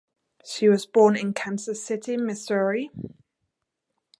She was born in Kansas City, Missouri.